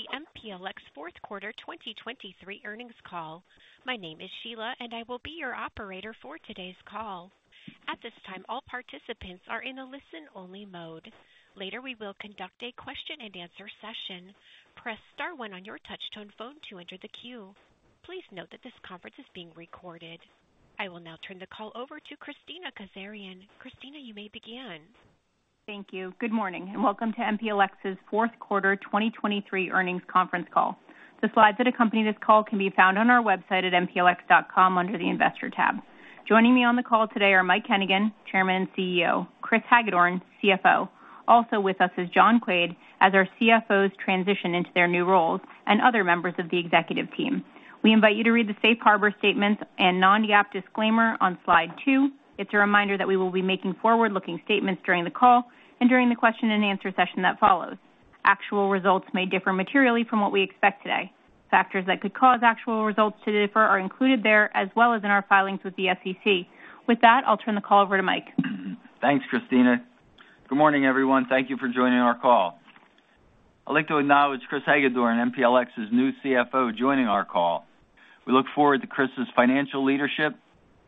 Welcome to the MPLX fourth quarter 2023 earnings call. My name is Sheila, and I will be your operator for today's call. At this time, all participants are in a listen-only mode. Later, we will conduct a question-and-answer session. Press Star one on your touchtone phone to enter the queue. Please note that this conference is being recorded. I will now turn the call over to Kristina Kazarian. Kristina, you may begin. Thank you. Good morning, and welcome to MPLX's fourth quarter 2023 earnings conference call. The slides that accompany this call can be found on our website at mplx.com under the Investor tab. Joining me on the call today are Mike Hennigan, Chairman and CEO, Chris Hagedorn, CFO. Also with us is John Quaid, as our CFOs transition into their new roles and other members of the executive team. We invite you to read the safe harbor statements and non-GAAP disclaimer on slide two. It's a reminder that we will be making forward-looking statements during the call and during the question-and-answer session that follows. Actual results may differ materially from what we expect today. Factors that could cause actual results to differ are included there, as well as in our filings with the SEC. With that, I'll turn the call over to Mike. Thanks, Kristina. Good morning, everyone. Thank you for joining our call. I'd like to acknowledge Chris Hagedorn, MPLX's new CFO, joining our call. We look forward to Chris's financial leadership,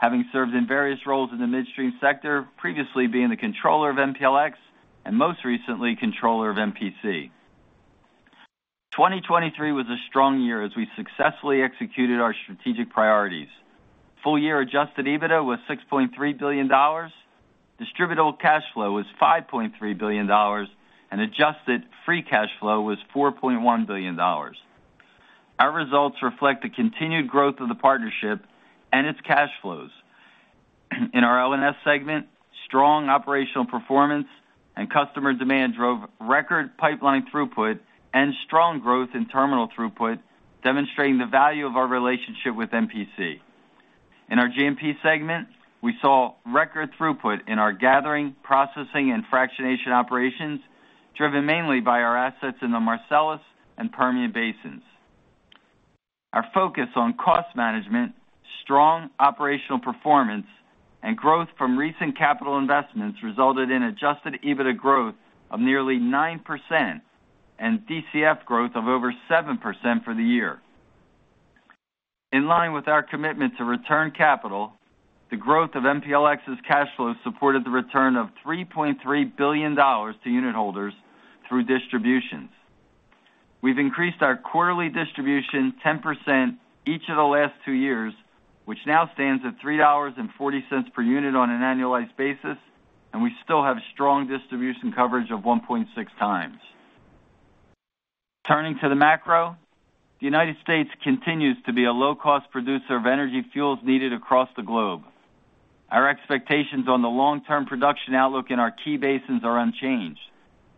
having served in various roles in the midstream sector, previously being the controller of MPLX and most recently, controller of MPC. 2023 was a strong year as we successfully executed our strategic priorities. Full-year Adjusted EBITDA was $6.3 billion, Distributable Cash Flow was $5.3 billion, and Adjusted Free Cash Flow was $4.1 billion. Our results reflect the continued growth of the partnership and its cash flows. In our L&S segment, strong operational performance and customer demand drove record pipeline throughput and strong growth in terminal throughput, demonstrating the value of our relationship with MPC. In our G&P segment, we saw record throughput in our gathering, processing and fractionation operations, driven mainly by our assets in the Marcellus and Permian Basins. Our focus on cost management, strong operational performance, and growth from recent capital investments resulted in Adjusted EBITDA growth of nearly 9% and DCF growth of over 7% for the year. In line with our commitment to return capital, the growth of MPLX's cash flows supported the return of $3.3 billion to unitholders through distributions. We've increased our quarterly distribution 10% each of the last two years, which now stands at $3.40 per unit on an annualized basis, and we still have strong distribution coverage of 1.6x. Turning to the macro, the United States continues to be a low-cost producer of energy fuels needed across the globe. Our expectations on the long-term production outlook in our key basins are unchanged.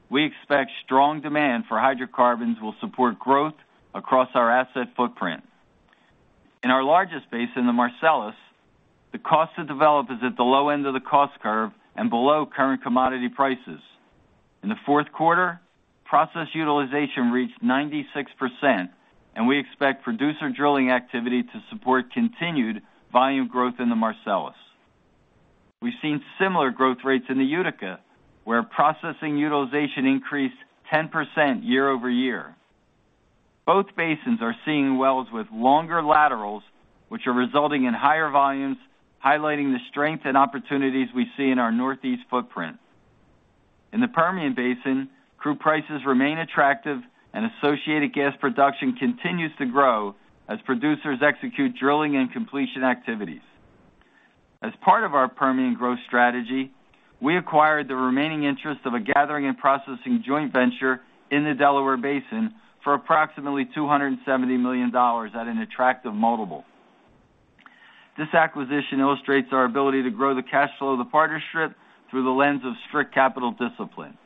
We expect strong demand for hydrocarbons will support growth across our asset footprint. In our largest basin, the Marcellus, the cost to develop is at the low end of the cost curve and below current commodity prices. In the fourth quarter, process utilization reached 96%, and we expect producer drilling activity to support continued volume growth in the Marcellus. We've seen similar growth rates in the Utica, where processing utilization increased 10% year-over-year. Both basins are seeing wells with longer laterals, which are resulting in higher volumes, highlighting the strength and opportunities we see in our Northeast footprint. In the Permian Basin, crude prices remain attractive and associated gas production continues to grow as producers execute drilling and completion activities. As part of our Permian growth strategy, we acquired the remaining interest of a gathering and processing joint venture in the Delaware Basin for approximately $270 million at an attractive multiple. This acquisition illustrates our ability to grow the cash flow of the partnership through the lens of strict capital discipline.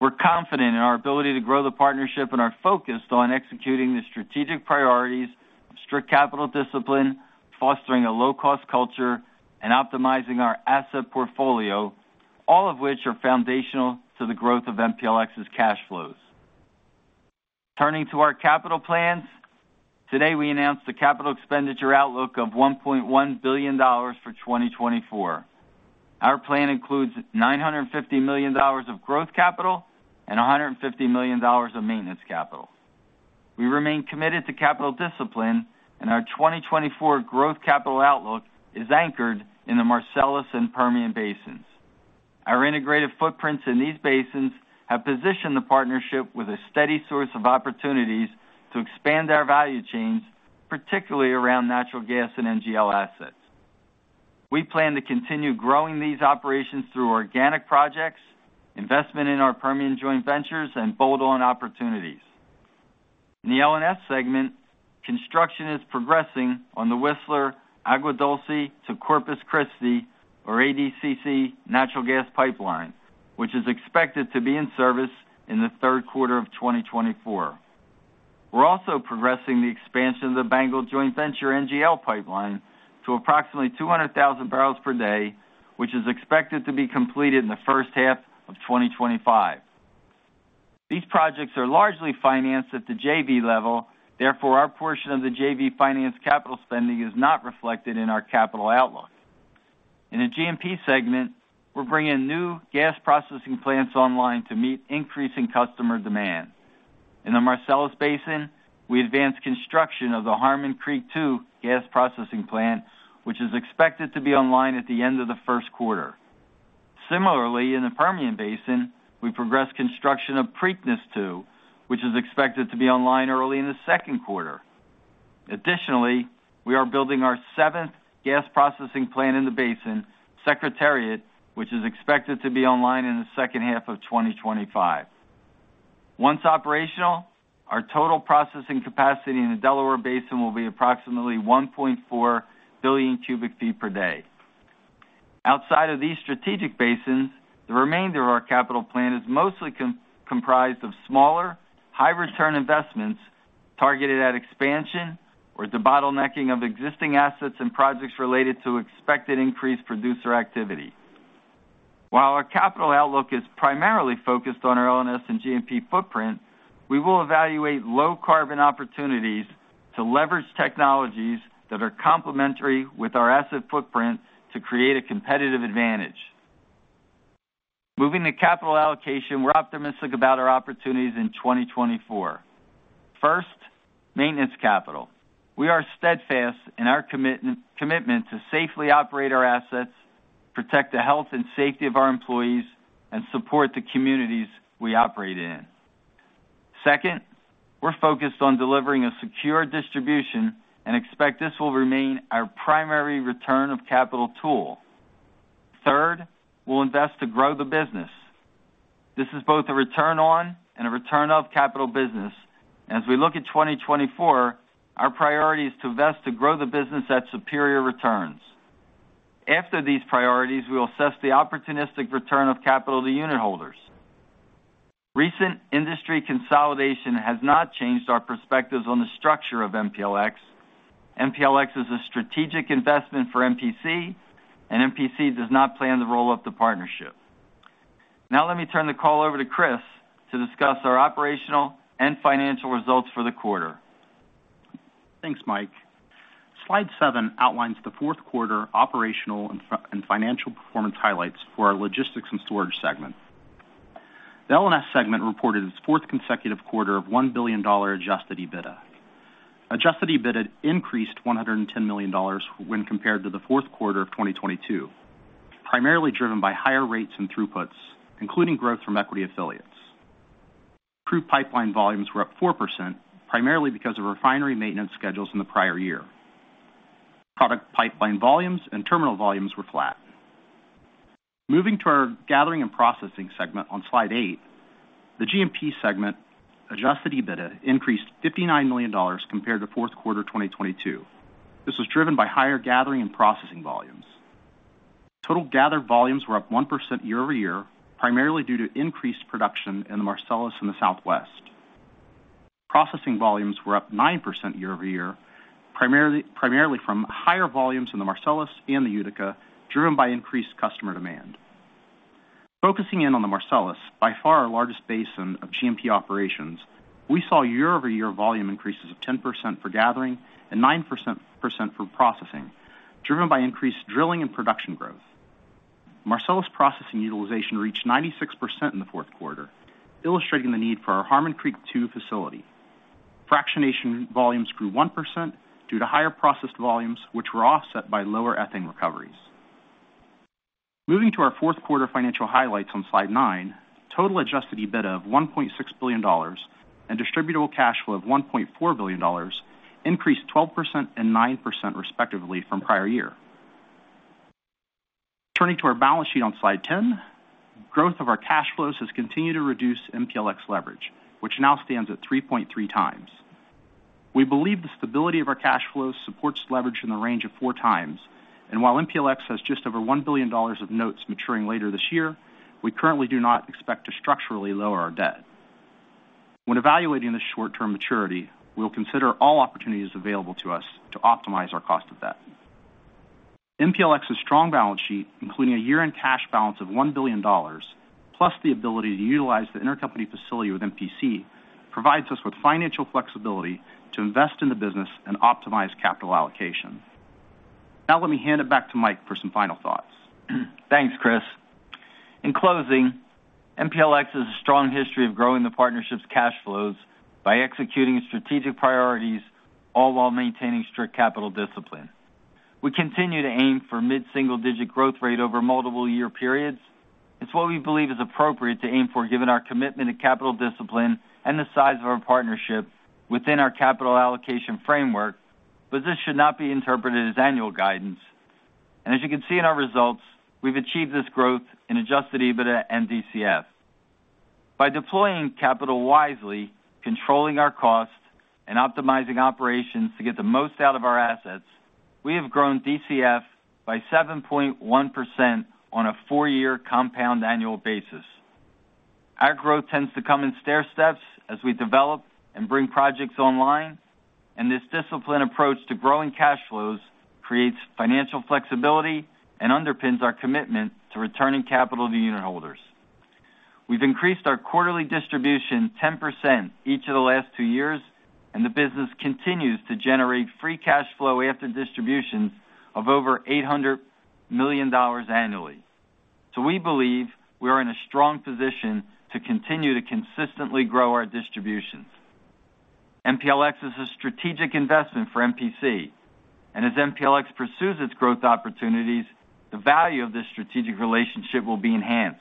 We're confident in our ability to grow the partnership and are focused on executing the strategic priorities of strict capital discipline, fostering a low-cost culture, and optimizing our asset portfolio, all of which are foundational to the growth of MPLX's cash flows. Turning to our capital plans, today, we announced a capital expenditure outlook of $1.1 billion for 2024. Our plan includes $950 million of growth capital and $150 million of maintenance capital. We remain committed to capital discipline, and our 2024 growth capital outlook is anchored in the Marcellus and Permian Basins. Our integrated footprints in these basins have positioned the partnership with a steady source of opportunities to expand our value chains, particularly around natural gas and NGL assets. We plan to continue growing these operations through organic projects, investment in our Permian joint ventures, and bolt-on opportunities. In the L&S segment, construction is progressing on the Whistler Agua Dulce to Corpus Christi, or ADCC, natural gas pipeline, which is expected to be in service in the third quarter of 2024. We're also progressing the expansion of the Bengal joint venture NGL pipeline to approximately 200,000 barrels per day, which is expected to be completed in the first half of 2025. These projects are largely financed at the JV level. Therefore, our portion of the JV financed capital spending is not reflected in our capital outlook.... In the G&P segment, we're bringing new gas processing plants online to meet increasing customer demand. In the Marcellus Basin, we advanced construction of the Harmon Creek II gas processing plant, which is expected to be online at the end of the first quarter. Similarly, in the Permian Basin, we progressed construction of Preakness II, which is expected to be online early in the second quarter. Additionally, we are building our seventh gas processing plant in the basin, Secretariat, which is expected to be online in the second half of 2025. Once operational, our total processing capacity in the Delaware Basin will be approximately 1.4 billion cubic feet per day. Outside of these strategic basins, the remainder of our capital plan is mostly comprised of smaller, high return investments targeted at expansion or debottlenecking of existing assets and projects related to expected increased producer activity. While our capital outlook is primarily focused on our L&S and G&P footprint, we will evaluate low carbon opportunities to leverage technologies that are complementary with our asset footprint to create a competitive advantage. Moving to capital allocation, we're optimistic about our opportunities in 2024. First, maintenance capital. We are steadfast in our commitment to safely operate our assets, protect the health and safety of our employees, and support the communities we operate in. Second, we're focused on delivering a secure distribution and expect this will remain our primary return of capital tool. Third, we'll invest to grow the business. This is both a return on and a return of capital business, and as we look at 2024, our priority is to invest to grow the business at superior returns. After these priorities, we will assess the opportunistic return of capital to unit holders. Recent industry consolidation has not changed our perspectives on the structure of MPLX. MPLX is a strategic investment for MPC, and MPC does not plan to roll up the partnership. Now, let me turn the call over to Chris to discuss our operational and financial results for the quarter. Thanks, Mike. Slide seven outlines the fourth quarter operational and financial performance highlights for our logistics and storage segments. The L&S segment reported its fourth consecutive quarter of $1 billion adjusted EBITDA. Adjusted EBITDA increased $110 million when compared to the fourth quarter of 2022, primarily driven by higher rates and throughputs, including growth from equity affiliates. Crude pipeline volumes were up 4%, primarily because of refinery maintenance schedules in the prior year. Product pipeline volumes and terminal volumes were flat. Moving to our gathering and processing segment on Slide eight, the G&P segment adjusted EBITDA increased $59 million compared to fourth quarter 2022. This was driven by higher gathering and processing volumes. Total gathered volumes were up 1% year-over-year, primarily due to increased production in the Marcellus in the Southwest. Processing volumes were up 9% year-over-year, primarily from higher volumes in the Marcellus and the Utica, driven by increased customer demand. Focusing in on the Marcellus, by far our largest basin of G&P operations, we saw year-over-year volume increases of 10% for gathering and 9% for processing, driven by increased drilling and production growth. Marcellus processing utilization reached 96% in the fourth quarter, illustrating the need for our Harmon Creek II facility. Fractionation volumes grew 1% due to higher processed volumes, which were offset by lower ethane recoveries. Moving to our fourth quarter financial highlights on Slide nine, total adjusted EBITDA of $1.6 billion and distributable cash flow of $1.4 billion increased 12% and 9% respectively from prior year. Turning to our balance sheet on Slide 10, growth of our cash flows has continued to reduce MPLX leverage, which now stands at 3.3x. We believe the stability of our cash flows supports leverage in the range of 4x, and while MPLX has just over $1 billion of notes maturing later this year, we currently do not expect to structurally lower our debt. When evaluating this short-term maturity, we'll consider all opportunities available to us to optimize our cost of debt. MPLX's strong balance sheet, including a year-end cash balance of $1 billion, plus the ability to utilize the intercompany facility with MPC, provides us with financial flexibility to invest in the business and optimize capital allocation. Now, let me hand it back to Mike for some final thoughts. Thanks, Chris. In closing, MPLX has a strong history of growing the partnership's cash flows by executing strategic priorities, all while maintaining strict capital discipline. We continue to aim for mid-single-digit growth rate over multiple year periods. It's what we believe is appropriate to aim for, given our commitment to capital discipline and the size of our partnership within our capital allocation framework, but this should not be interpreted as annual guidance. As you can see in our results, we've achieved this growth in Adjusted EBITDA and DCF. By deploying capital wisely, controlling our costs, and optimizing operations to get the most out of our assets, we have grown DCF by 7.1% on a four-year compound annual basis. Our growth tends to come in stairsteps as we develop and bring projects online, and this disciplined approach to growing cash flows creates financial flexibility and underpins our commitment to returning capital to unitholders. We've increased our quarterly distribution 10% each of the last two years, and the business continues to generate free cash flow after distribution of over $800 million annually. So we believe we are in a strong position to continue to consistently grow our distributions. MPLX is a strategic investment for MPC, and as MPLX pursues its growth opportunities, the value of this strategic relationship will be enhanced.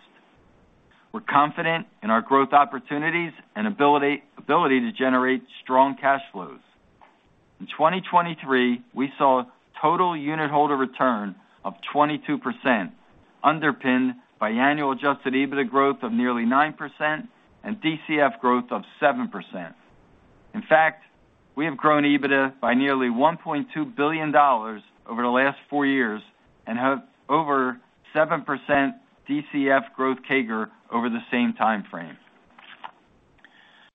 We're confident in our growth opportunities and ability, ability to generate strong cash flows. In 2023, we saw total unitholder return of 22%, underpinned by annual Adjusted EBITDA growth of nearly 9% and DCF growth of 7%. In fact, we have grown EBITDA by nearly $1.2 billion over the last 4 years and have over 7% DCF growth CAGR over the same time frame.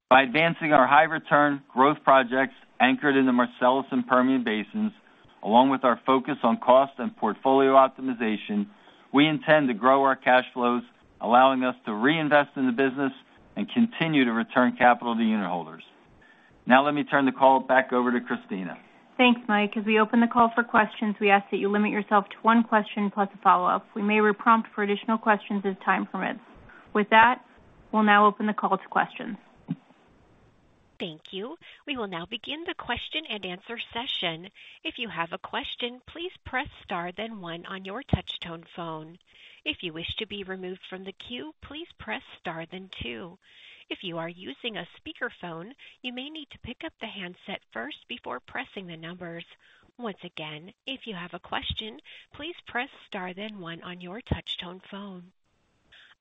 By advancing our high return growth projects anchored in the Marcellus and Permian Basins, along with our focus on cost and portfolio optimization, we intend to grow our cash flows, allowing us to reinvest in the business and continue to return capital to unitholders. Now let me turn the call back over to Kristina. Thanks, Mike. As we open the call for questions, we ask that you limit yourself to one question plus a follow-up. We may re-prompt for additional questions as time permits. With that, we'll now open the call to questions. Thank you. We will now begin the question and answer session. If you have a question, please press Star then One on your touch-tone phone. If you wish to be removed from the queue, please press Star then Two. If you are using a speakerphone, you may need to pick up the handset first before pressing the numbers. Once again, if you have a question, please press Star then One on your touch-tone phone.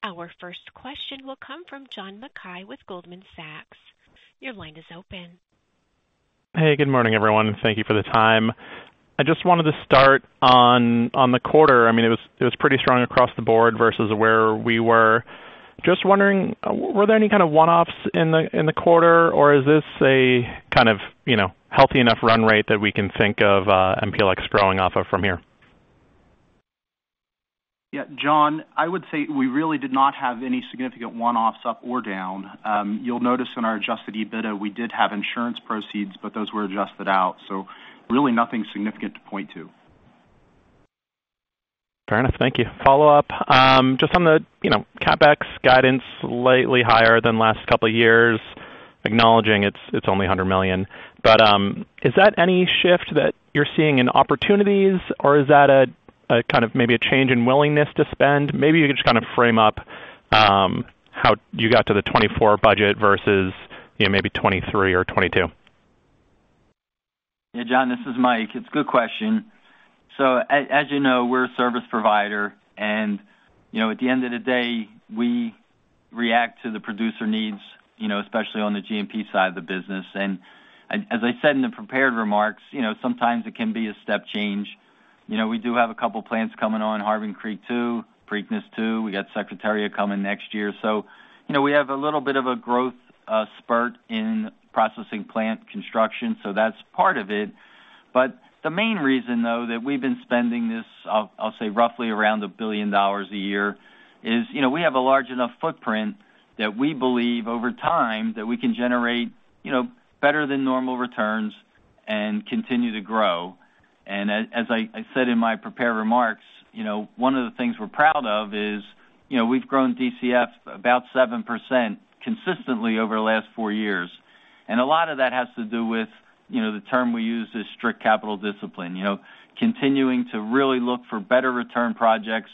Our first question will come from John Mackay with Goldman Sachs. Your line is open. Hey, good morning, everyone, and thank you for the time. I just wanted to start on the quarter. I mean, it was pretty strong across the board versus where we were. Just wondering, were there any kind of one-offs in the quarter, or is this a kind of, you know, healthy enough run rate that we can think of MPLX growing off of from here? Yeah, John, I would say we really did not have any significant one-offs up or down. You'll notice in our Adjusted EBITDA, we did have insurance proceeds, but those were adjusted out, so really nothing significant to point to. Fair enough. Thank you. Follow-up. Just on the, you know, CapEx guidance, slightly higher than last couple of years, acknowledging it's, it's only $100 million. But, is that any shift that you're seeing in opportunities, or is that a, a kind of maybe a change in willingness to spend? Maybe you could just kind of frame up, how you got to the 2024 budget versus, you know, maybe 2023 or 2022. Yeah, John, this is Mike. It's a good question. So as you know, we're a service provider, and, you know, at the end of the day, we react to the producer needs, you know, especially on the G&P side of the business. And as I said in the prepared remarks, you know, sometimes it can be a step change. You know, we do have a couple of plants coming on, Harmon Creek II, Preakness II, we got Secretariat coming next year. So, you know, we have a little bit of a growth spurt in processing plant construction, so that's part of it. But the main reason, though, that we've been spending this, I'll say, roughly around $1 billion a year, is, you know, we have a large enough footprint that we believe over time, that we can generate, you know, better than normal returns and continue to grow. And as I said in my prepared remarks, you know, one of the things we're proud of is, you know, we've grown DCF about 7% consistently over the last four years. And a lot of that has to do with, you know, the term we use is strict capital discipline. You know, continuing to really look for better return projects.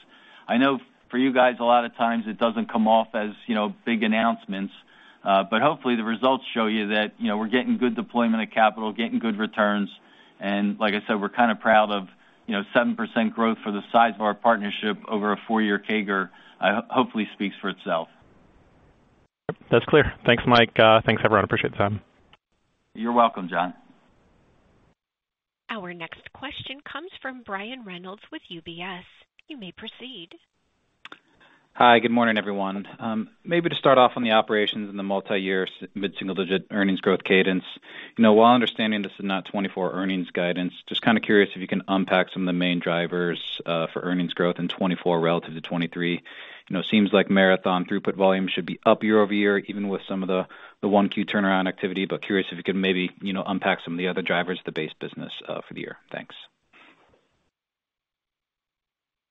I know for you guys, a lot of times it doesn't come off as, you know, big announcements, but hopefully the results show you that, you know, we're getting good deployment of capital, getting good returns, and like I said, we're kind of proud of, you know, 7% growth for the size of our partnership over a four-year CAGR, hopefully speaks for itself. That's clear. Thanks, Mike. Thanks, everyone. Appreciate the time. You're welcome, John. Our next question comes from Brian Reynolds with UBS. You may proceed. Hi, good morning, everyone. Maybe to start off on the operations in the multi-year mid-single-digit earnings growth cadence. You know, while understanding this is not 2024 earnings guidance, just kind of curious if you can unpack some of the main drivers for earnings growth in 2024 relative to 2023. You know, seems like Marathon throughput volume should be up year-over-year, even with some of the, the 1Q turnaround activity, but curious if you could maybe, you know, unpack some of the other drivers of the base business for the year. Thanks.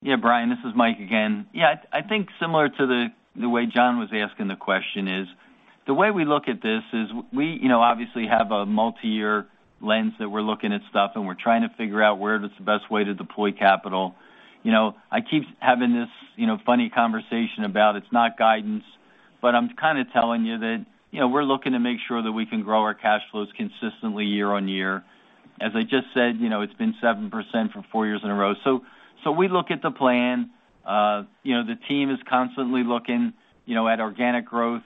Yeah, Brian, this is Mike again. Yeah, I, I think similar to the, the way John was asking the question is, the way we look at this is we, you know, obviously have a multi-year lens that we're looking at stuff, and we're trying to figure out where is the best way to deploy capital. You know, I keep having this, you know, funny conversation about it's not guidance, but I'm kind of telling you that, you know, we're looking to make sure that we can grow our cash flows consistently year on year. As I just said, you know, it's been 7% for four years in a row. So, so we look at the plan. You know, the team is constantly looking, you know, at organic growth.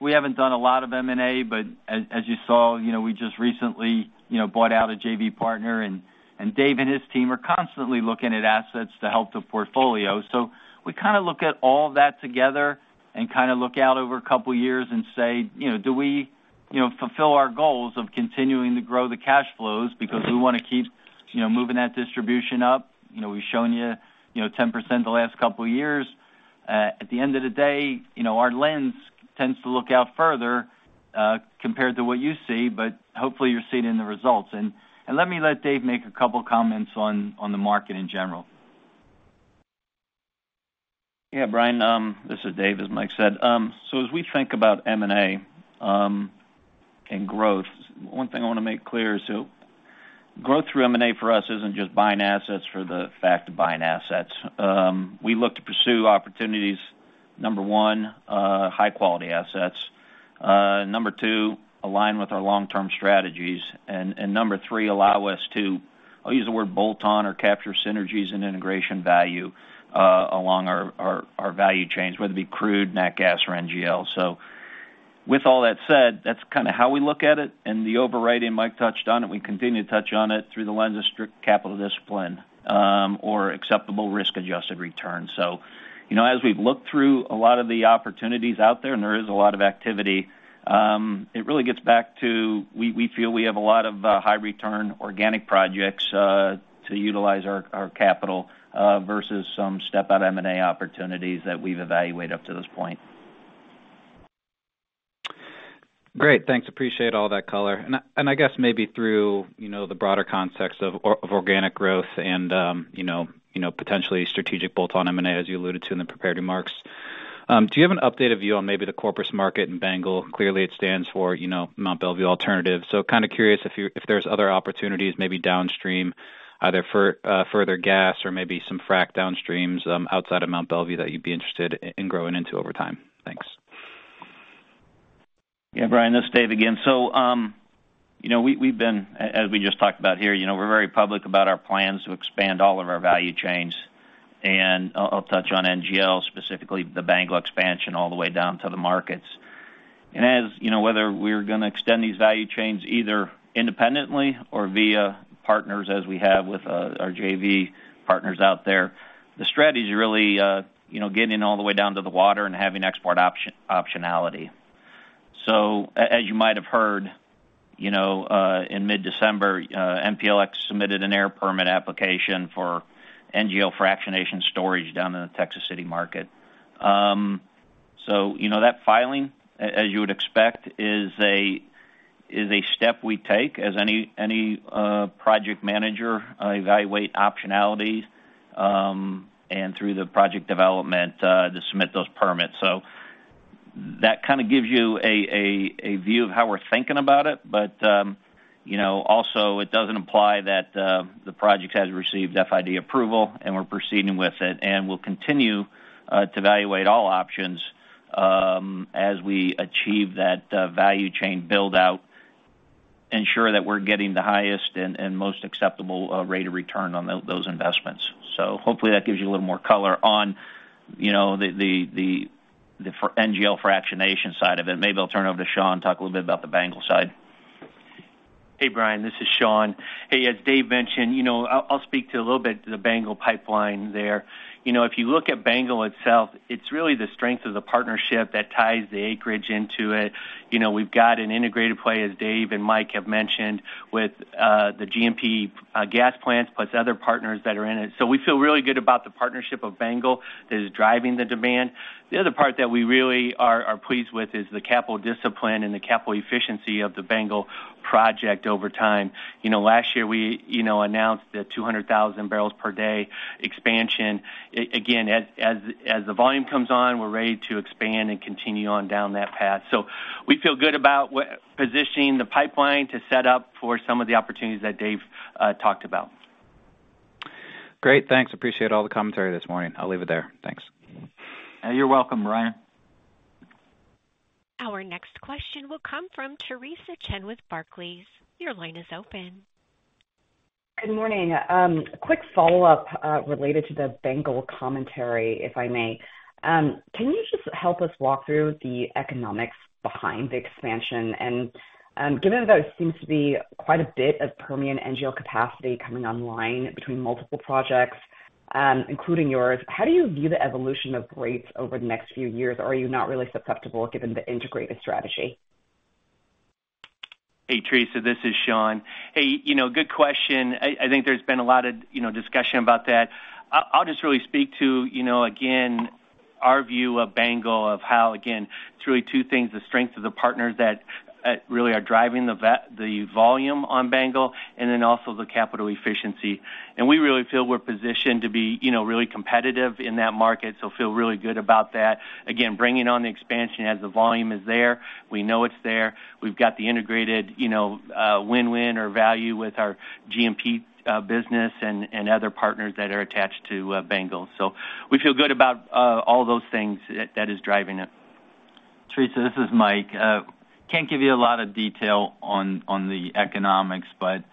We haven't done a lot of M&A, but as you saw, you know, we just recently, you know, bought out a JV partner, and Dave and his team are constantly looking at assets to help the portfolio. So we kind of look at all that together and kind of look out over a couple of years and say: You know, fulfill our goals of continuing to grow the cash flows, because we want to keep, you know, moving that distribution up. You know, we've shown you, you know, 10% the last couple of years. At the end of the day, you know, our lens tends to look out further, compared to what you see, but hopefully, you're seeing it in the results. And let Dave make a couple comments on the market in general. Yeah, Brian, this is Dave, as Mike said. So as we think about M&A, and growth, one thing I want to make clear is so growth through M&A for us isn't just buying assets for the fact of buying assets. We look to pursue opportunities, number one, high-quality assets, number two, align with our long-term strategies, and, and number three, allow us to, I'll use the word bolt-on or capture synergies and integration value, along our, our, our value chains, whether it be crude, nat gas, or NGL. So with all that said, that's kind of how we look at it, and the overriding, Mike touched on it, we continue to touch on it through the lens of strict capital discipline, or acceptable risk-adjusted returns. You know, as we've looked through a lot of the opportunities out there, and there is a lot of activity, it really gets back to we feel we have a lot of high return organic projects to utilize our capital versus some step-out M&A opportunities that we've evaluated up to this point. Great, thanks. Appreciate all that color. And I guess maybe through, you know, the broader context of organic growth and, you know, potentially strategic bolt-on M&A, as you alluded to in the prepared remarks. Do you have an updated view on maybe the Corpus market in Bengal? Clearly, it stands for, you know, Mount Belvieu Alternative. So kind of curious if you're if there's other opportunities, maybe downstream, either for further gas or maybe some frack downstreams, outside of Mount Belvieu, that you'd be interested in growing into over time? Thanks. Yeah, Brian, this is Dave again. So, you know, we've been, as we just talked about here, you know, we're very public about our plans to expand all of our value chains. And I'll touch on NGL, specifically the Bengal expansion, all the way down to the markets. And as you know, whether we're gonna extend these value chains either independently or via partners, as we have with our JV partners out there, the strategy is really, you know, getting in all the way down to the water and having export optionality. So as you might have heard, you know, in mid-December, MPLX submitted an air permit application for NGL fractionation storage down in the Texas City market. So you know, that filing, as you would expect, is a step we take as any project manager evaluate optionalities, and through the project development, to submit those permits. So that kind of gives you a view of how we're thinking about it, but, you know, also it doesn't imply that the project has received FID approval, and we're proceeding with it. We'll continue to evaluate all options, as we achieve that value chain build-out, ensure that we're getting the highest and most acceptable rate of return on those investments. So hopefully that gives you a little more color on, you know, the NGL fractionation side of it. Maybe I'll turn over to Shawn to talk a little bit about the Bengal side. Hey, Brian, this is Shawn. Hey, as Dave mentioned, you know, I'll speak to a little bit to the Bengal pipeline there. You know, if you look at Bengal itself, it's really the strength of the partnership that ties the acreage into it. You know, we've got an integrated play, as Dave and Mike have mentioned, with the G&P gas plants, plus other partners that are in it. So we feel really good about the partnership of Bengal that is driving the demand. The other part that we really are pleased with is the capital discipline and the capital efficiency of the Bengal project over time. You know, last year we announced the 200,000 barrels per day expansion. Again, as the volume comes on, we're ready to expand and continue on down that path. So we feel good about what positioning the pipeline to set up for some of the opportunities that Dave talked about. Great, thanks. Appreciate all the commentary this morning. I'll leave it there. Thanks. You're welcome, Brian. Our next question will come from Teresa Chen with Barclays. Your line is open. Good morning. Quick follow-up, related to the Bengal commentary, if I may. Can you just help us walk through the economics behind the expansion? Given that there seems to be quite a bit of Permian NGL capacity coming online between multiple projects, including yours, how do you view the evolution of rates over the next few years, or are you not really susceptible given the integrated strategy? Hey, Teresa, this is Shawn. Hey, you know, good question. I think there's been a lot of, you know, discussion about that. I'll just really speak to, you know, again, our view of Bengal, of how, again, it's really two things: the strength of the partners that really are driving the volume on Bengal, and then also the capital efficiency. And we really feel we're positioned to be, you know, really competitive in that market, so feel really good about that. Again, bringing on the expansion as the volume is there. We know it's there. We've got the integrated, you know, win-win or value with our G&P business and other partners that are attached to Bengal. So we feel good about all those things that is driving it. Teresa, this is Mike. Can't give you a lot of detail on the economics, but,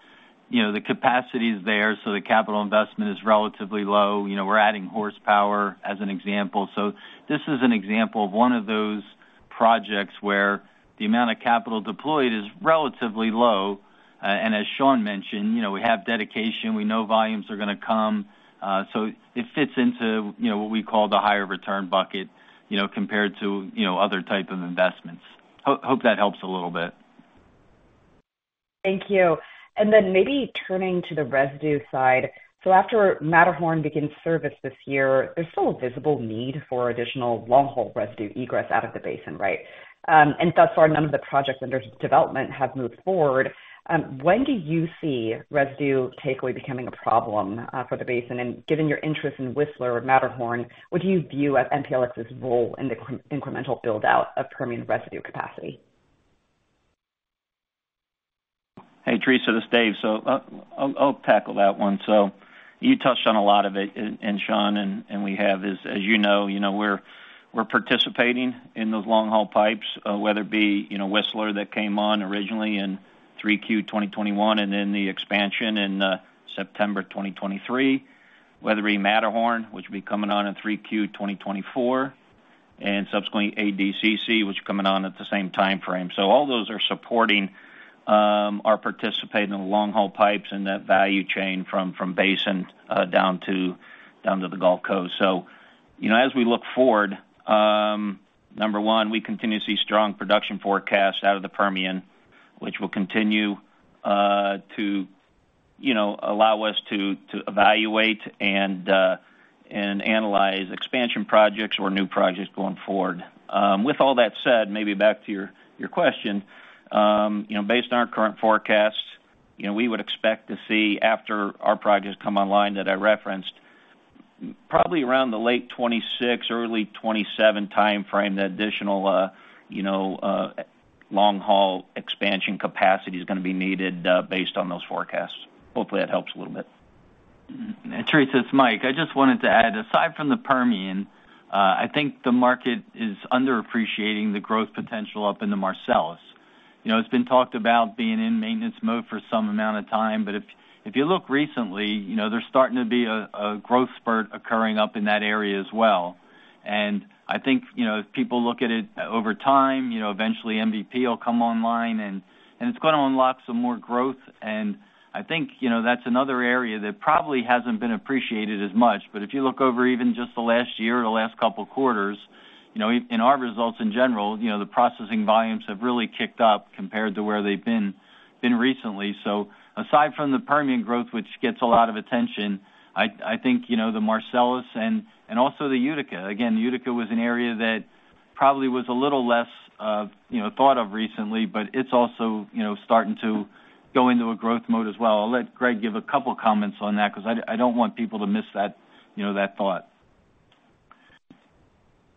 you know, the capacity is there, so the capital investment is relatively low. You know, we're adding horsepower, as an example. So this is an example of one of those projects where the amount of capital deployed is relatively low. And as Shawn mentioned, you know, we have dedication. We know volumes are going to come, so it fits into, you know, what we call the higher return bucket, you know, compared to, you know, other type of investments. Hope that helps a little bit. Thank you. And then maybe turning to the residue side. So after Matterhorn begins service this year, there's still a visible need for additional long-haul residue egress out of the basin, right? And thus far, none of the projects under development have moved forward. When do you see residue takeaway becoming a problem, for the basin? And given your interest in Whistler or Matterhorn, what do you view as MPLX's role in the incremental build-out of Permian residue capacity? Hey, Teresa, this is Dave. So, I'll, I'll tackle that one. So you touched on a lot of it, and, and Shawn, and, and we have is, as you know, you know, we're, we're participating in those long-haul pipes, whether it be, you know, Whistler that came on originally in 3Q 2021, and then the expansion in, September 2023, whether it be Matterhorn, which will be coming on in 3Q 2024, and subsequent ADCC, which is coming on at the same time frame. So all those are supporting, are participating in the long-haul pipes and that value chain from, from basin, down to, down to the Gulf Coast. So, you know, as we look forward, number one, we continue to see strong production forecasts out of the Permian, which will continue to you know allow us to evaluate and analyze expansion projects or new projects going forward. With all that said, maybe back to your question, you know, based on our current forecast, you know, we would expect to see after our projects come online that I referenced, probably around the late 2026, early 2027 time frame, the additional you know long-haul expansion capacity is going to be needed based on those forecasts. Hopefully, that helps a little bit. Teresa, it's Mike. I just wanted to add, aside from the Permian, I think the market is underappreciating the growth potential up in the Marcellus. You know, it's been talked about being in maintenance mode for some amount of time, but if you look recently, you know, there's starting to be a growth spurt occurring up in that area as well. And I think, you know, if people look at it over time, you know, eventually MVP will come online and it's going to unlock some more growth. And I think, you know, that's another area that probably hasn't been appreciated as much. But if you look over even just the last year or the last couple of quarters, you know, in our results in general, you know, the processing volumes have really kicked up compared to where they've been recently. So aside from the Permian growth, which gets a lot of attention, I think, you know, the Marcellus and also the Utica. Again, Utica was an area that probably was a little less, you know, thought of recently, but it's also, you know, starting to go into a growth mode as well. I'll let Greg give a couple of comments on that because I don't want people to miss that, you know, that thought.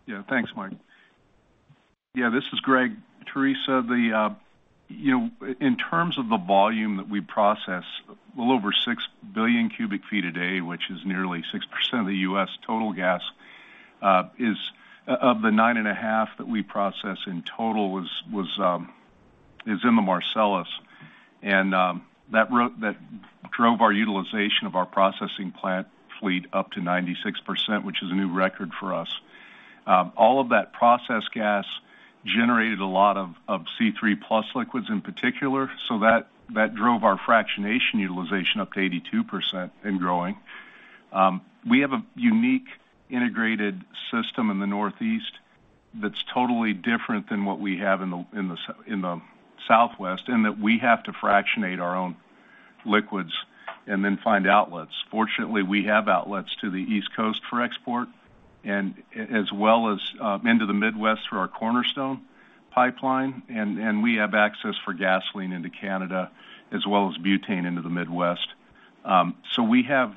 Yeah. Thanks, Mike. Yeah, this is Greg. Teresa, the, you know, in terms of the volume that we process, well over 6 billion cubic feet a day, which is nearly 6% of the U.S. total gas, is of, of the 9.5 that we process in total was, is in the Marcellus. And, that drove our utilization of our processing plant fleet up to 96%, which is a new record for us. All of that processed gas generated a lot of C3 plus liquids in particular, so that drove our fractionation utilization up to 82% and growing. We have a unique integrated system in the Northeast that's totally different than what we have in the, in the Southwest, in that we have to fractionate our own liquids and then find outlets. Fortunately, we have outlets to the East Coast for export and as well as into the Midwest through our Cornerstone Pipeline, and we have access for gasoline into Canada, as well as butane into the Midwest. So we have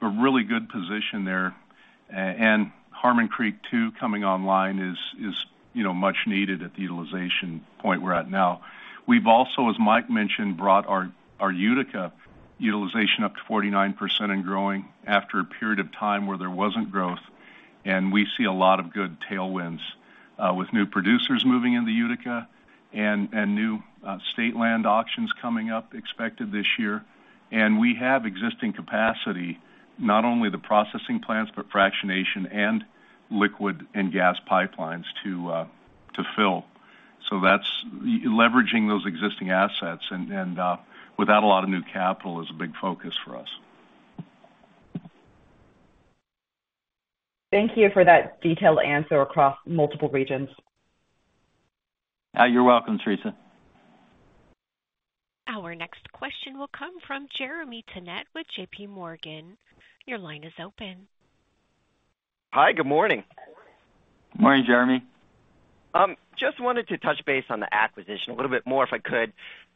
a really good position there. And Harmon Creek II coming online is, you know, much needed at the utilization point we're at now. We've also, as Mike mentioned, brought our Utica utilization up to 49% and growing after a period of time where there wasn't growth, and we see a lot of good tailwinds with new producers moving into Utica and new state land auctions coming up, expected this year. And we have existing capacity, not only the processing plants, but fractionation and liquid and gas pipelines to fill. So that's leveraging those existing assets and without a lot of new capital is a big focus for us. Thank you for that detailed answer across multiple regions. You're welcome, Teresa. Our next question will come from Jeremy Tonet with JP Morgan. Your line is open. Hi, good morning. Morning, Jeremy. Just wanted to touch base on the acquisition a little bit more, if I could.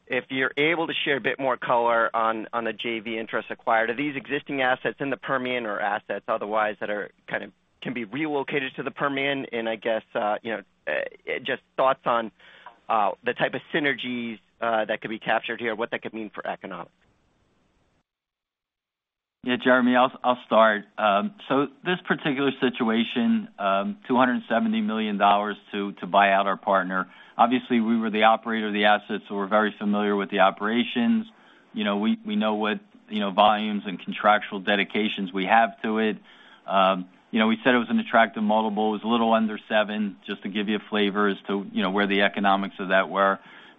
If you're able to share a bit more color on on the JV interest acquired. Are these existing assets in the Permian or assets otherwise, that are kind of can be relocated to the Permian? And I guess, you know, just thoughts on the type of synergies that could be captured here, what that could mean for economics. Yeah, Jeremy, I'll start. So this particular situation, $270 million to buy out our partner. Obviously, we were the operator of the assets, so we're very familiar with the operations. You know, we know what you know, volumes and contractual dedications we have to it. You know, we said it was an attractive multiple. It was a little under seven, just to give you a flavor as to you know, where the economics of that were.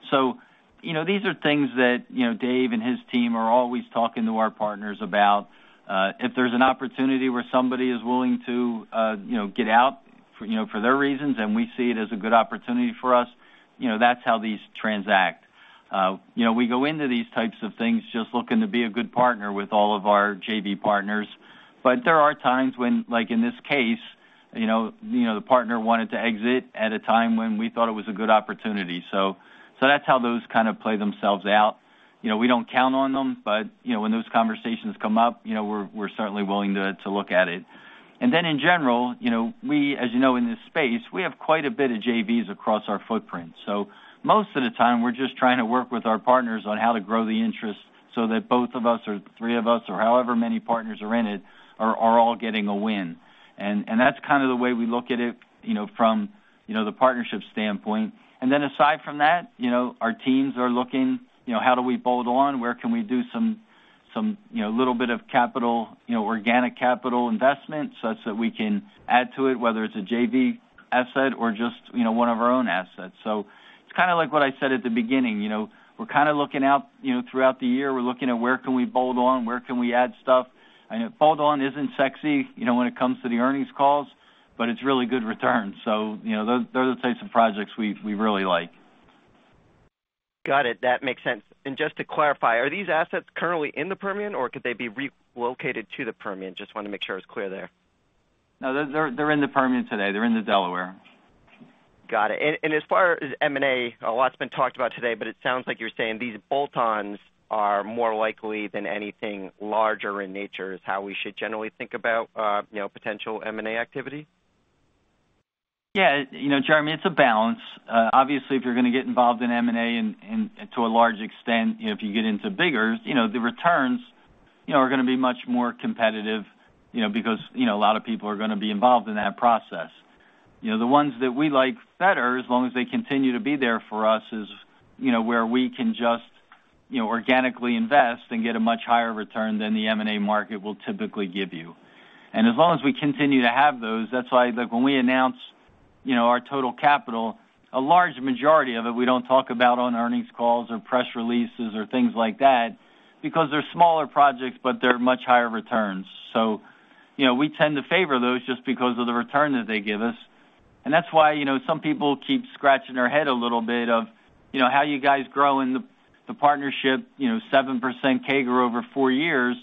So, you know, these are things that you know, Dave and his team are always talking to our partners about. If there's an opportunity where somebody is willing to you know, get out for you know, for their reasons, and we see it as a good opportunity for us, you know, that's how these transact. You know, we go into these types of things just looking to be a good partner with all of our JV partners. But there are times when, like, in this case, you know, you know, the partner wanted to exit at a time when we thought it was a good opportunity. So, that's how those kind of play themselves out. You know, we don't count on them, but, you know, when those conversations come up, you know, we're certainly willing to look at it. And then, in general, you know, we, as you know, in this space, we have quite a bit of JVs across our footprint. So most of the time, we're just trying to work with our partners on how to grow the interest so that both of us or the three of us or however many partners are in it are all getting a win. And that's kind of the way we look at it, you know, from the partnership standpoint. And then, aside from that, you know, our teams are looking, you know, how do we bolt on? Where can we do some you know little bit of capital, you know, organic capital investment such that we can add to it, whether it's a JV asset or just, you know, one of our own assets. So it's kind of like what I said at the beginning, you know, we're kind of looking out, you know, throughout the year, we're looking at where can we bolt on, where can we add stuff? I know bolt-on isn't sexy, you know, when it comes to the earnings calls, but it's really good returns. So, you know, those are the types of projects we really like. Got it. That makes sense. And just to clarify, are these assets currently in the Permian, or could they be relocated to the Permian? Just want to make sure it's clear there. No, they're in the Permian today. They're in the Delaware. Got it. And as far as M&A, a lot's been talked about today, but it sounds like you're saying these bolt-ons are more likely than anything larger in nature, is how we should generally think about, you know, potential M&A activity? Yeah, you know, Jeremy, it's a balance. Obviously, if you're going to get involved in M&A, and to a large extent, you know, if you get into bigger, you know, the returns, you know, are going to be much more competitive, you know, because, you know, a lot of people are going to be involved in that process. You know, the ones that we like better, as long as they continue to be there for us, is, you know, where we can just, you know, organically invest and get a much higher return than the M&A market will typically give you. As long as we continue to have those, that's why, look, when we announce, you know, our total capital, a large majority of it, we don't talk about on earnings calls or press releases or things like that, because they're smaller projects, but they're much higher returns. So, you know, we tend to favor those just because of the return that they give us. And that's why, you know, some people keep scratching their head a little bit of, you know, how you guys grow in the, the partnership, you know, 7% CAGR over four years,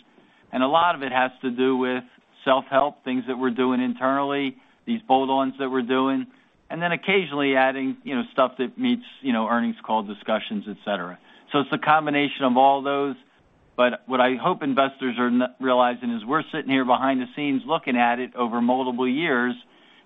and a lot of it has to do with self-help, things that we're doing internally, these bolt-ons that we're doing, and then occasionally adding, you know, stuff that meets, you know, earnings call discussions, et cetera. So it's a combination of all those, but what I hope investors are realizing is we're sitting here behind the scenes, looking at it over multiple years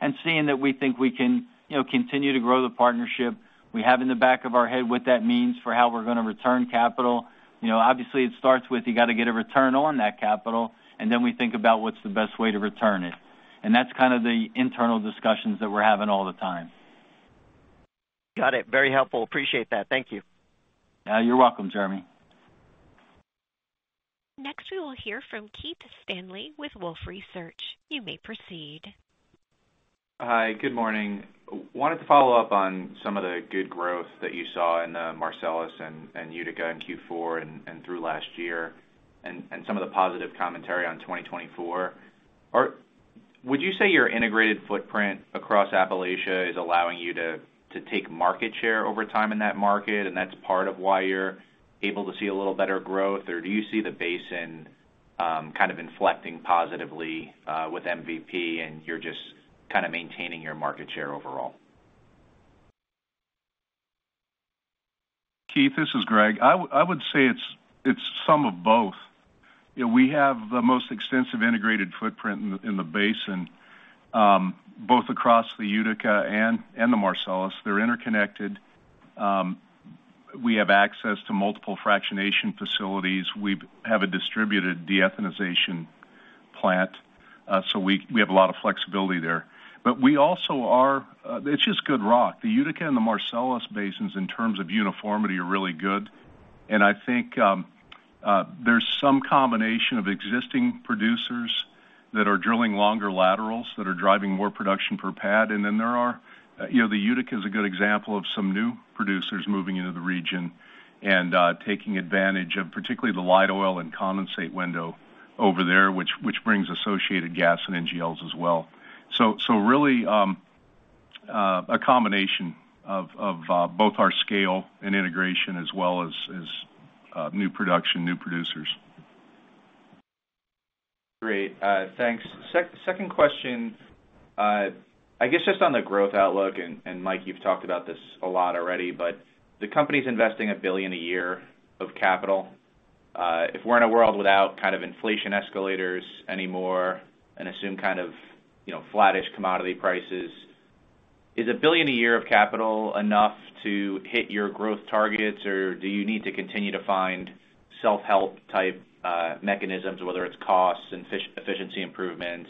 and seeing that we think we can, you know, continue to grow the partnership. We have in the back of our head what that means for how we're going to return capital. You know, obviously, it starts with you got to get a return on that capital, and then we think about what's the best way to return it. And that's kind of the internal discussions that we're having all the time. Got it. Very helpful. Appreciate that. Thank you. You're welcome, Jeremy. Next, we will hear from Keith Stanley with Wolfe Research. You may proceed. Hi, good morning. Wanted to follow up on some of the good growth that you saw in the Marcellus and Utica in Q4 and through last year, and some of the positive commentary on 2024. Would you say your integrated footprint across Appalachia is allowing you to take market share over time in that market, and that's part of why you're able to see a little better growth? Or do you see the basin kind of inflecting positively with MVP, and you're just kind of maintaining your market share overall? Keith, this is Greg. I would say it's some of both. You know, we have the most extensive integrated footprint in the basin, both across the Utica and the Marcellus. They're interconnected. We have access to multiple fractionation facilities. We have a distributed deethanization plant, so we have a lot of flexibility there. But we also are. It's just good rock. The Utica and the Marcellus basins, in terms of uniformity, are really good, and I think there's some combination of existing producers that are drilling longer laterals that are driving more production per pad. And then there are, you know, the Utica is a good example of some new producers moving into the region and taking advantage of particularly the light oil and condensate window over there, which brings associated gas and NGLs as well. So really, a combination of both our scale and integration, as well as new production, new producers. Great. Thanks. Second question, I guess, just on the growth outlook, and Mike, you've talked about this a lot already, but the company's investing $1 billion a year of capital. If we're in a world without kind of inflation escalators anymore and assume kind of, you know, flattish commodity prices, is $1 billion a year of capital enough to hit your growth targets, or do you need to continue to find self-help type mechanisms, whether it's costs and efficiency improvements,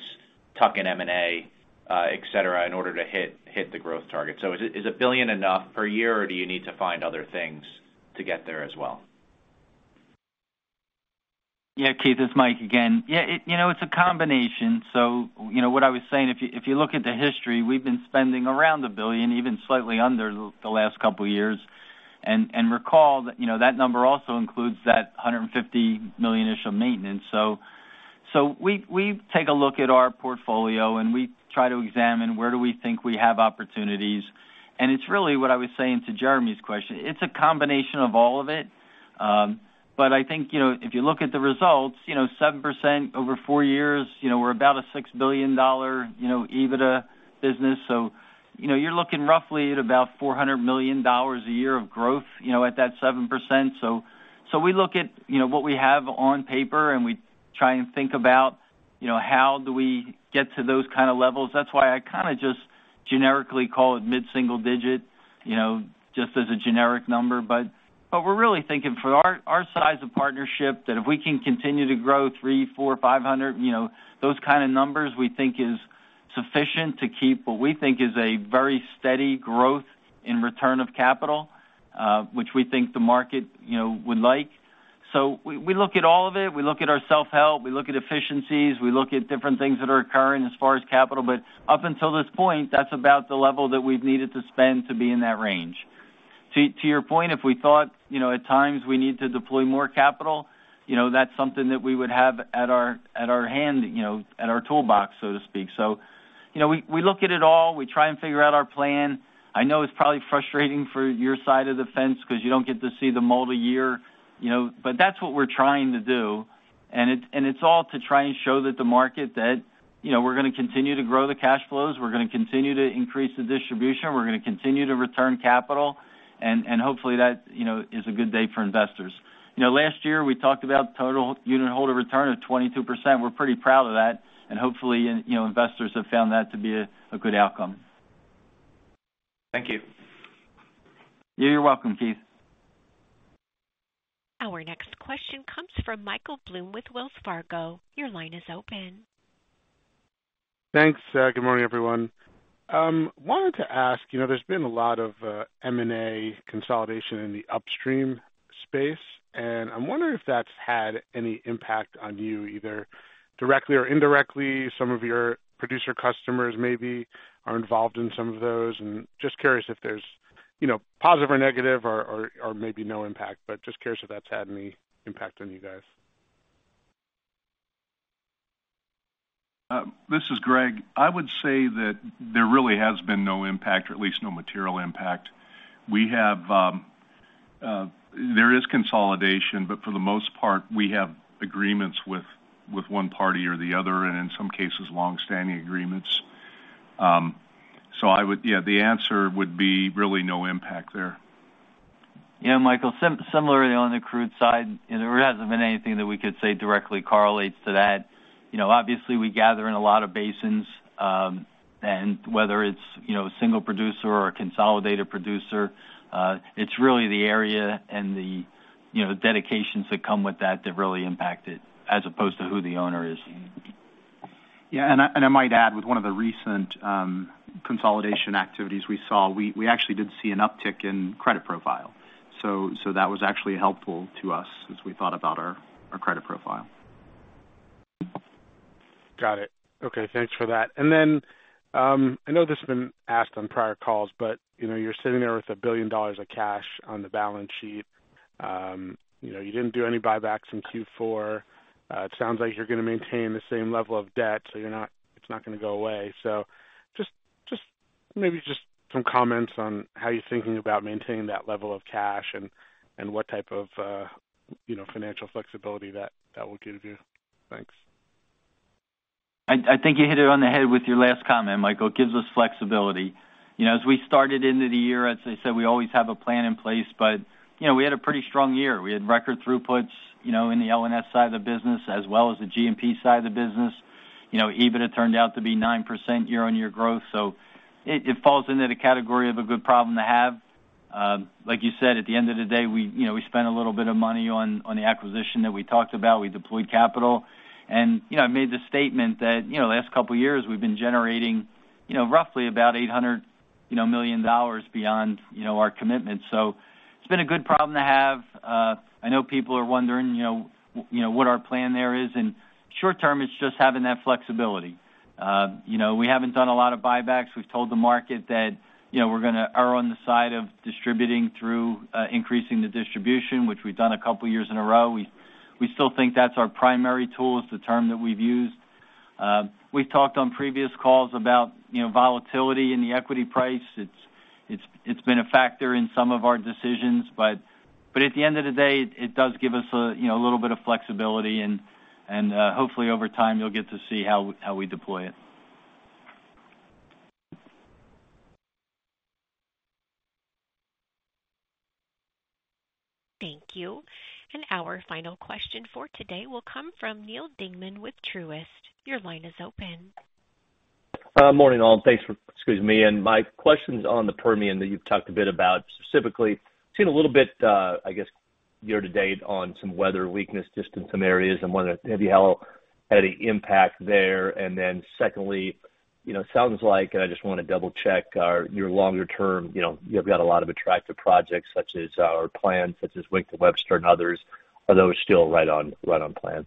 tuck in M&A, et cetera, in order to hit the growth target. So is $1 billion enough per year, or do you need to find other things to get there as well? Yeah, Keith, it's Mike again. Yeah, it, you know, it's a combination. So you know, what I was saying, if you, if you look at the history, we've been spending around $1 billion, even slightly under the, the last couple of years. And, and recall that, you know, that number also includes that $150 million initial maintenance. So, so we, we take a look at our portfolio, and we try to examine where do we think we have opportunities. And it's really what I was saying to Jeremy's question: It's a combination of all of it. But I think, you know, if you look at the results, you know, 7% over four years, you know, we're about a $6 billion EBITDA business. So you know, you're looking roughly at about $400 million a year of growth, you know, at that 7%. So we look at, you know, what we have on paper, and we try and think about, you know, how do we get to those kind of levels. That's why I kind of just generically call it mid-single digit, you know, just as a generic number. But we're really thinking for our, our size of partnership, that if we can continue to grow $300 million, $400 million, $500 million, you know, those kind of numbers, we think is sufficient to keep what we think is a very steady growth in return of capital, which we think the market, you know, would like. So we look at all of it. We look at our self-help, we look at efficiencies, we look at different things that are occurring as far as capital, but up until this point, that's about the level that we've needed to spend to be in that range. To your point, if we thought, you know, at times we need to deploy more capital, you know, that's something that we would have at our hand, you know, at our toolbox, so to speak. So you know, we look at it all. We try and figure out our plan. I know it's probably frustrating for your side of the fence because you don't get to see the multi-year, you know, but that's what we're trying to do. And it's all to try and show the market that, you know, we're going to continue to grow the cash flows, we're going to continue to increase the distribution, we're going to continue to return capital, and hopefully that, you know, is a good day for investors. You know, last year, we talked about total unit holder return of 22%. We're pretty proud of that, and hopefully, you know, investors have found that to be a good outcome. Thank you. You're welcome, Keith. Our next question comes from Michael Blum with Wells Fargo. Your line is open. Thanks. Good morning, everyone. Wanted to ask, you know, there's been a lot of M&A consolidation in the upstream space, and I'm wondering if that's had any impact on you, either directly or indirectly. Some of your producer customers maybe are involved in some of those. Just curious if there's, you know, positive or negative or, or, or maybe no impact, but just curious if that's had any impact on you guys. This is Greg. I would say that there really has been no impact, or at least no material impact. We have, there is consolidation, but for the most part, we have agreements with, with one party or the other, and in some cases, long-standing agreements. So I would. Yeah, the answer would be really no impact there. Yeah, Michael, similarly, on the crude side, you know, there hasn't been anything that we could say directly correlates to that. You know, obviously, we gather in a lot of basins, and whether it's, you know, a single producer or a consolidated producer, it's really the area and the, you know, the dedications that come with that that really impact it, as opposed to who the owner is. Yeah, and I might add, with one of the recent consolidation activities we saw, we actually did see an uptick in credit profile. So that was actually helpful to us as we thought about our credit profile. Got it. Okay, thanks for that. And then, I know this has been asked on prior calls, but you know, you're sitting there with $1 billion of cash on the balance sheet. You know, you didn't do any buybacks in Q4. It sounds like you're going to maintain the same level of debt, so you're not—it's not going to go away. So just, just maybe just some comments on how you're thinking about maintaining that level of cash and, and what type of, you know, financial flexibility that, that will give you. Thanks. I think you hit it on the head with your last comment, Michael. It gives us flexibility. You know, as we started into the year, as I said, we always have a plan in place, but, you know, we had a pretty strong year. We had record throughputs, you know, in the L&S side of the business, as well as the G&P side of the business. You know, EBITDA turned out to be 9% year-on-year growth, so it falls into the category of a good problem to have. Like you said, at the end of the day, we, you know, we spent a little bit of money on the acquisition that we talked about. We deployed capital. You know, I made the statement that, you know, the last couple of years, we've been generating, you know, roughly about $800 million beyond, you know, our commitment. So it's been a good problem to have. I know people are wondering, you know, what our plan there is, and short term, it's just having that flexibility. You know, we haven't done a lot of buybacks. We've told the market that, you know, we're going to err on the side of distributing through increasing the distribution, which we've done a couple of years in a row. We still think that's our primary tool, is the term that we've used. We've talked on previous calls about, you know, volatility in the equity price. It's been a factor in some of our decisions, but at the end of the day, it does give us a, you know, a little bit of flexibility, and hopefully, over time, you'll get to see how we deploy it. Thank you. And our final question for today will come from Neil Dingmann with Truist. Your line is open. Morning, all. Excuse me. My question is on the Permian that you've talked a bit about. Specifically, seen a little bit, I guess, year-to-date on some weather weakness just in some areas, and wonder if maybe how had an impact there. And then secondly, you know, sounds like, and I just wanna double check, are your longer term, you know, you've got a lot of attractive projects such as, or plans such as Wink to Webster and others. Are those still right on, right on plan?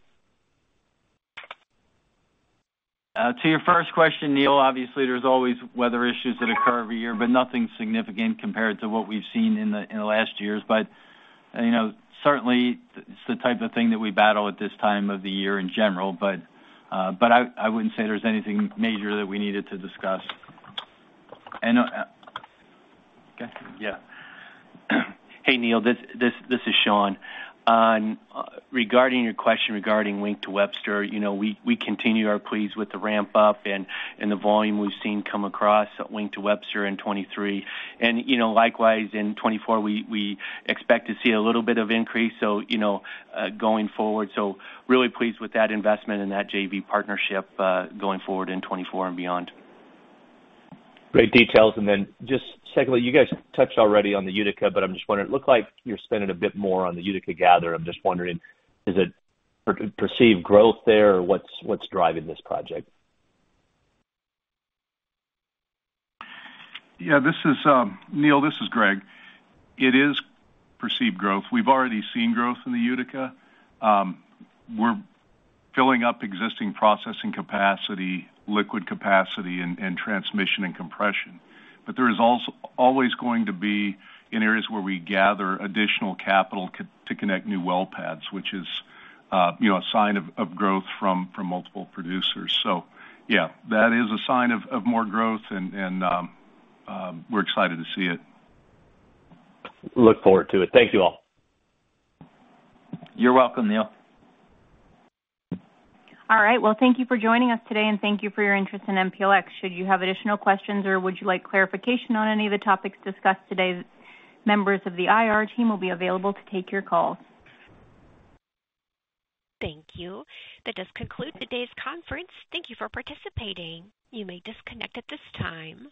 To your first question, Neil, obviously, there's always weather issues that occur every year, but nothing significant compared to what we've seen in the last years. But, you know, certainly, it's the type of thing that we battle at this time of the year in general. But I wouldn't say there's anything major that we needed to discuss. Okay. Yeah. Hey, Neil, this is Shawn. Regarding your question regarding Wink to Webster, you know, we continue to be pleased with the ramp up and the volume we've seen come across at Wink to Webster in 2023. And, you know, likewise, in 2024, we expect to see a little bit of increase, so, you know, going forward. So really pleased with that investment and that JV partnership, going forward in 2024 and beyond. Great details. And then just secondly, you guys touched already on the Utica, but I'm just wondering, it looks like you're spending a bit more on the Utica gathering. I'm just wondering, is it perceived growth there, or what's driving this project? Yeah, this is Neil, this is Greg. It is perceived growth. We've already seen growth in the Utica. We're filling up existing processing capacity, liquid capacity, transmission and compression. But there is always going to be in areas where we gather additional capital to connect new well pads, which is, you know, a sign of growth from multiple producers. So yeah, that is a sign of more growth, and we're excited to see it. Look forward to it. Thank you, all. You're welcome, Neil. All right. Well, thank you for joining us today, and thank you for your interest in MPLX. Should you have additional questions or would you like clarification on any of the topics discussed today, members of the IR team will be available to take your call. Thank you. That does conclude today's conference. Thank you for participating. You may disconnect at this time.